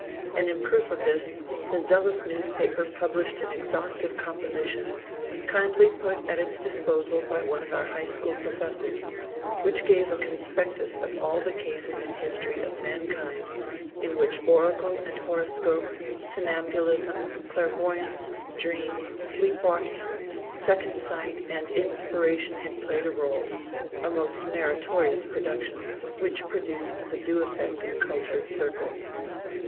And in proof of this the zealous newspaper published an exhaustive composition, kindly put at its disposal by one of our high school professors, which gave a conspectus of all the cases in the history of mankind in which oracle and horoscope, somnambulism, clairvoyance, dreams, sleep walking, second sight, and inspiration had played a rôle, a most meritorious production, which produced the due effect in cultured circles.